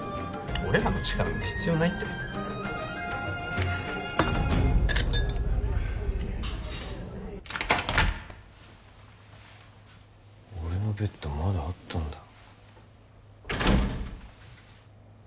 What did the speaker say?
俺らの力なんて必要ないって俺のベッドまだあったんだ